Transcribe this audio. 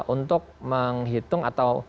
untuk menghitung atau